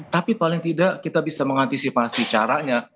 tapi paling tidak kita bisa mengantisipasi caranya